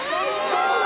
どうだ？